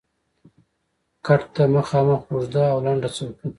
کټ ته مخامخ اوږده او لنډه څوکۍ پرته وه.